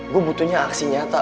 gue butuhnya aksi nyata